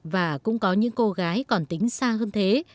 và cũng có những cô gái còn tính xa hơn thế